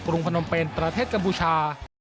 พนมเป็นประเทศกัมพูชา